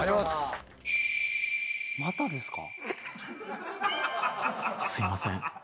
すいません。